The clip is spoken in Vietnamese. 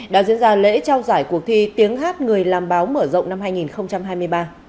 đã diễn ra lễ trao giải cuộc thi tiếng hát người làm báo mở rộng năm hai nghìn hai mươi ba